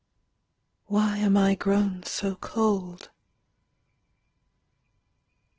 Why am I grown So cold?